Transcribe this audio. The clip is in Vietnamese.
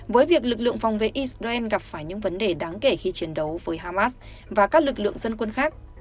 với việc lực lượng phòng vệ israel gặp phải những vấn đề đáng kể khi chiến đấu với hamas và các lực lượng dân quân khác